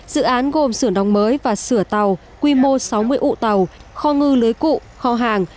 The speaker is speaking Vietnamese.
dự án gồm sửa đóng mới và sửa tàu quy mô sáu mươi ụ tàu kho ngư lưới cụ kho hàng